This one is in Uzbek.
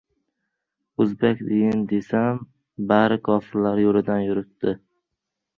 O‘zbak deyin desam — bari kofirlar yo‘lidan yuribdi.